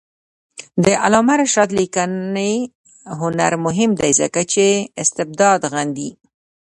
د علامه رشاد لیکنی هنر مهم دی ځکه چې استبداد غندي.